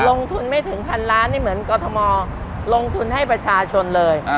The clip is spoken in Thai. ลงทุนไม่ถึงพันล้านนี่เหมือนกรทมลงทุนให้ประชาชนเลย